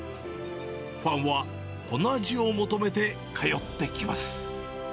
ファンはこの味を求めて通ってきます。